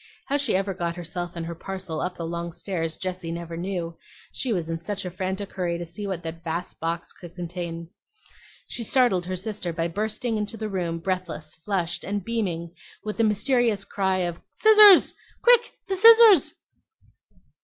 How she ever got herself and her parcel up the long stairs Jessie never knew, she was in such a frantic hurry to see what that vast box could contain. She startled her sister by bursting into the room breathless, flushed, and beaming, with the mysterious cry of, "Scissors! quick, the scissors!"